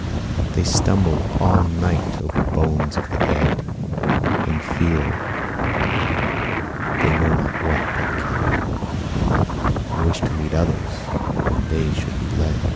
They stumble all night over bones of the dead; And feel—they know not what but care; And wish to lead others, when they should be led.